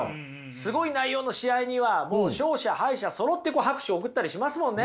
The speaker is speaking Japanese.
すごい内容の試合にはもう勝者敗者そろって拍手を送ったりしますもんね。